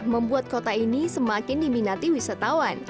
membuat kota ini semakin diminati wisatawan